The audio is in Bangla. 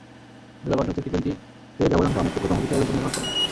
কিন্তু ব্যাপারটা হচ্ছে, টি-টোয়েন্টিতে ব্যবধানটা অনেক সূক্ষ্মতম বিষয়ের ওপর নির্ভর করে।